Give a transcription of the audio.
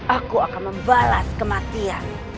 aku akan membalas kematian